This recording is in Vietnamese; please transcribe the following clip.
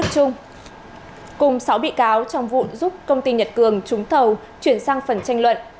cùng sáu bị cáo trong vụ giúp công ty nhật cường trúng thầu chuyển sang phần tranh luận